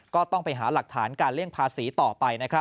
ก็ต้องไปหาหลักฐานการเลี่ยงภาษีต่อไป